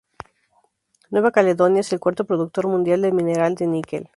Nueva Caledonia es el cuarto productor mundial de mineral de níquel.